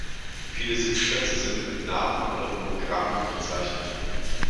Viele Sitzplätze sind mit Namen oder Monogrammen bezeichnet.